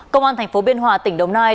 công an tp biên hòa tỉnh đồng nai